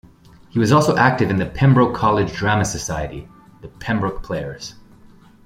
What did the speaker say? He was also active in the Pembroke College drama society, the Pembroke Players.